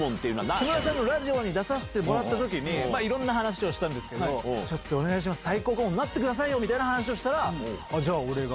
木村さんのラジオに出させてもらったときに、いろんな話をしたんですけど、ちょっとお願いします、最高顧問になってくださいよみたいな話をしたら、じゃあ、俺が。